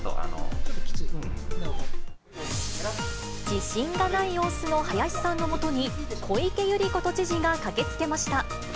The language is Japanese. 自信がない様子の林さんのもとに、小池百合子都知事が駆けつけました。